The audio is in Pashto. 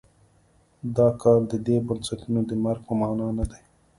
دا کار د دې بنسټونو د مرګ په معنا نه دی.